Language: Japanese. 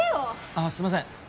あすいません